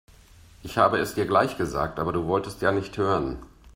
Ich habe es dir gleich gesagt, aber du wolltest ja nicht hören.